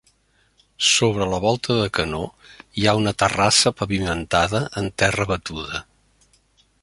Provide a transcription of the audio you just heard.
Sobre la volta de canó hi ha una terrassa pavimentada amb terra batuda.